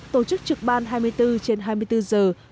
tổ chức trực ban hai mươi bốn trên hai mươi bốn giờ